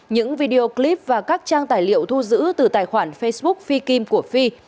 những video clip và các trang tài liệu thu giữ từ tài khoản facebook fi kim của phi